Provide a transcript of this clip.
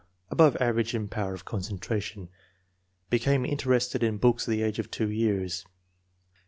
Above average in power of concentration. Became interested in books at the age of 2 years.